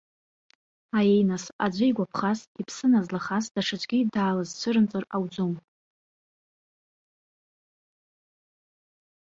Аиеи, нас, аӡәы игәаԥхаз, иԥсы назлахаз даҽаӡәгьы даалызцәырымҵыр ауӡом.